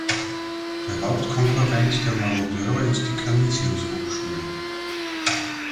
Der Hauptkonkurrent der Marodeure ist die Canisius-Hochschule.